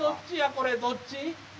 これどっち？